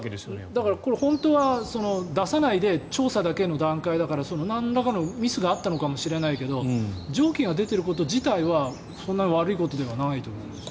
だから、本当は出さないで調査だけの段階だからなんらかのミスがあったのかもしれないけど蒸気が出ていること自体はそんなに悪いことではないと思うんですよね。